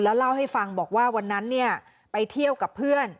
เล่าให้ฟังบอกว่าวันนั้นไปเที่ยวกับเพื่อน